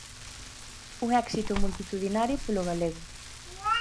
Un éxito multitudinario polo galego.